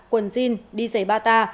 quần jean đi giấy bata